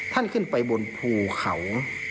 ท่านขึ้นไปบนภูเขา